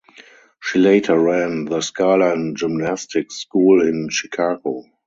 She later ran the Skyline Gymnastics school in Chicago.